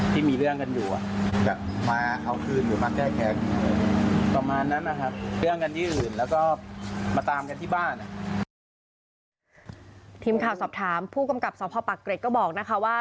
ทีมข่าวสอบถามผู้กำกับสพปักเกร็ดก็บอกนะคะว่า